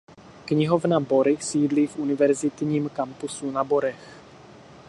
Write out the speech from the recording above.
Knihovna Bory sídlí v univerzitním kampusu na Borech.